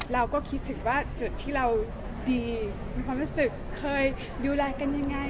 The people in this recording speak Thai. เราก็คิดถึงว่าจุดที่เราดีมีความรู้สึกเคยดูแลกันยังไง